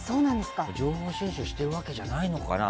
情報収集してるわけじゃないのかな。